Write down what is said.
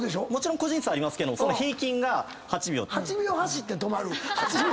個人差ありますけど平均が８秒。